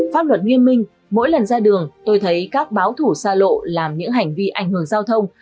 pháp luật nghiêm minh mỗi lần ra đường tôi thấy các báo thủ xa lộ làm những hành vi ảnh hưởng giao thông